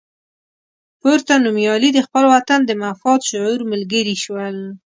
پورته نومیالي د خپل وطن د مفاد شعور ملګري شول.